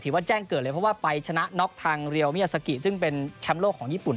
ว่าแจ้งเกิดเลยเพราะว่าไปชนะน็อกทางเรียลมิยาซากิซึ่งเป็นแชมป์โลกของญี่ปุ่น